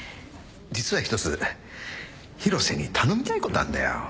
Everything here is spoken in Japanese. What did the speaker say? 実は一つ広瀬に頼みたいことあんだよ。